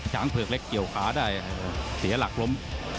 เผือกเล็กเกี่ยวขาได้เสียหลักล้ม